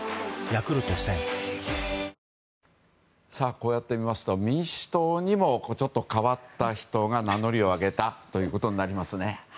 こうやって見ますと民主党にも変わった人が名乗りを上げたということになりますね。